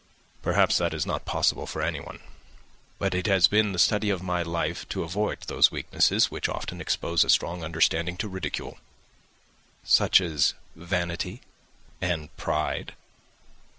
"Perhaps that is not possible for anyone. But it has been the study of my life to avoid those weaknesses which often expose a strong understanding to ridicule." "Such as vanity and pride."